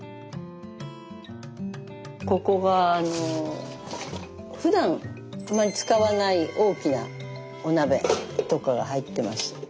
ここがふだんあんまり使わない大きなお鍋とかが入ってます。